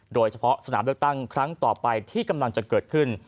โดยเฉพาะสนามเลือกตั้งครั้งต่อไปที่กำลังจะเกิดขึ้น